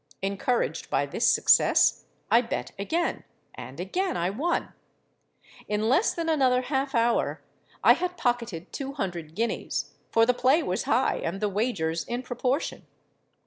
Encouraged by this success, I bet again; and again I won. In less than another half hour I had pocketed two hundred guineas—for the play was high and the wagers in proportion.